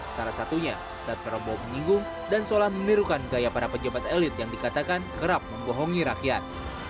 salah satunya saat prabowo menyinggung dan seolah menirukan gaya para pejabat elit yang dikatakan kerap membohongi rakyat